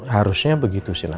harusnya begitu sienna